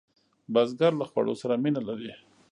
بزګر له خوړو سره مینه لري